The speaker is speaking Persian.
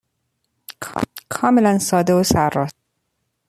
کاملا ساده و سر راست.